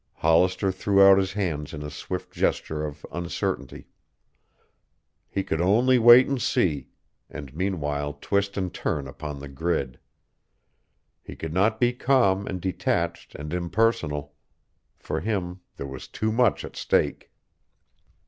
Hollister threw out his hands in a swift gesture of uncertainty. He could only wait and see, and meanwhile twist and turn upon the grid. He could not be calm and detached and impersonal. For him there was too much at stake.